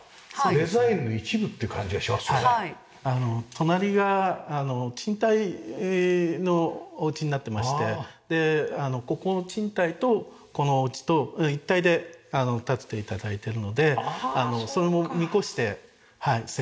隣が賃貸のお家になってましてでここの賃貸とこのお家と一体で建てて頂いてるのでそれも見越して設計して頂いてます。